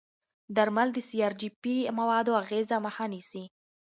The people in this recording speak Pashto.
درمل د سي ار جي پي موادو اغېزې مخه نیسي.